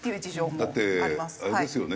だってあれですよね。